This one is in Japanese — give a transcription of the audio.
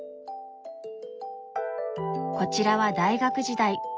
こちらは大学時代。